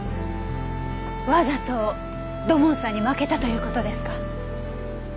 わざと土門さんに負けたという事ですか？